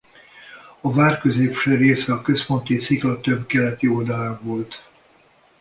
A vár középső része a központi sziklatömb keleti oldalán volt.